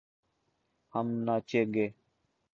ہم ناچے گے